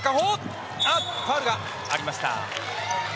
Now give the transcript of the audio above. ファウルがありました。